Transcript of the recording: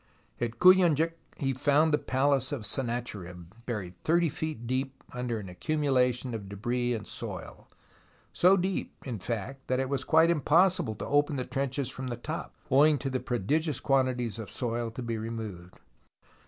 At Kouyunjik he found the palace of Sennacherib, buried 30 feet deep under an accumulation of debris and soil, so deep, in fact, that it was quite impossible to open trenches from the top, owing to the prodigious quantities of soil to be removed.